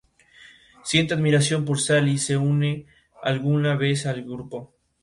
Son originarias de Asia Menor, los Balcanes y el sur de Rusia.